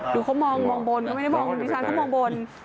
ดูเขามองมองบนเขาไม่ได้มองพี่สาวนเขามองบน